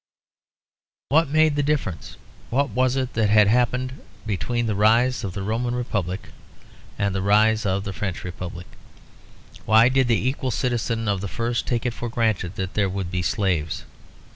What made the difference? What was it that had happened between the rise of the Roman Republic and the rise of the French Republic? Why did the equal citizens of the first take it for granted that there would be slaves?